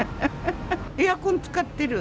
エアコン使ってる。